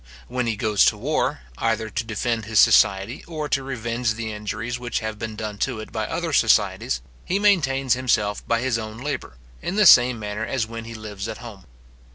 When he goes to war, either to defend his society, or to revenge the injuries which have been done to it by other societies, he maintains himself by his own labour, in the same manner as when he lives at home.